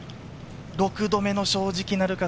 ６度目の正直なるか？